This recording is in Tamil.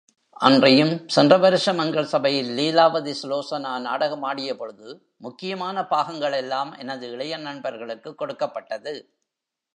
அன்றியும் சென்ற வருஷம் எங்கள் சபையில் லீலாவதிசுலோசனா நாடகமாடியபொழுது, முக்கியமான பாகங்களெல்லாம் எனது இளைய நண்பர்களுக்குக் கொடுக்கப்பட்டது.